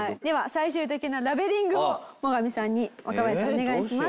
最終的なラベリングをモガミさんに若林さんお願いします。